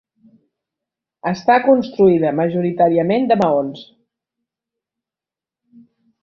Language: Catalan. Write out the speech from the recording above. Està construïda majoritàriament de maons.